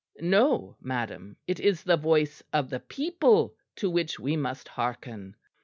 No, madam, it is the voice of the people to which we must hearken."